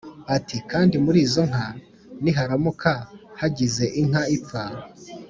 ati: "Kandi muri izo nka niharamuka hagize inka ipfa